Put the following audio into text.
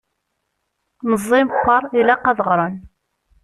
Meẓẓi meqqer, ilaq ad ɣren!